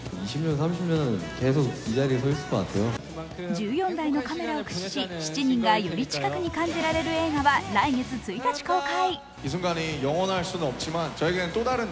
１４台のカメラを駆使し７人がより近くに感じられる映画は来月１日公開。